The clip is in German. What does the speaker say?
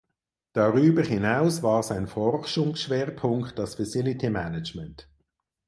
Darüber hinaus war sein Forschungsschwerpunkt das Facility Management.